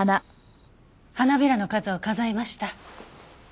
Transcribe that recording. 花びらの数を数えました。